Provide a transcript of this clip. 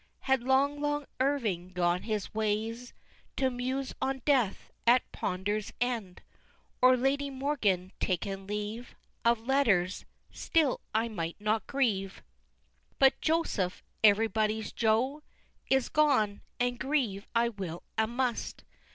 Had long, long Irving gone his ways, To Muse on death at Ponder's End Or Lady Morgan taken leave Of Letters still I might not grieve! VIII. But, Joseph everybody's Jo! Is gone and grieve I will and must!